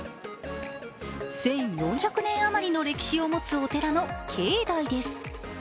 １４００年余りの歴史を持つお寺の境内です。